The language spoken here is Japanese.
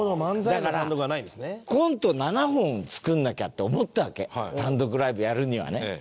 だからコントを７本作んなきゃって思ったわけ単独ライブやるにはね。